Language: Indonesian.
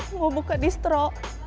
mau buka distro